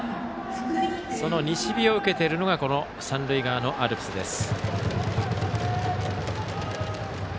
その西日を受けているのが三塁側のアルプスです。